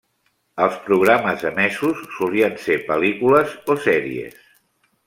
Els programes emesos solien ser pel·lícules o sèries.